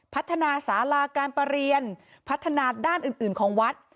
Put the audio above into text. พัฒนาสาราการประเรียนพัฒนาด้านอื่นของวัด